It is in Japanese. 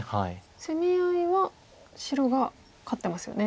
攻め合いは白が勝ってますよね。